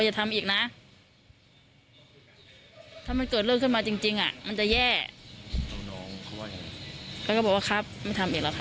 จะมีอีกครั้งนี้